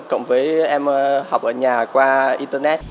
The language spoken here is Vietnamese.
cộng với em học ở nhà qua internet